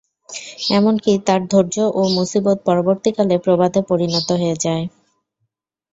এমনকি তাঁর ধৈর্য ও মুসীবত পরবর্তীকালে প্রবাদে পরিণত হয়ে যায়।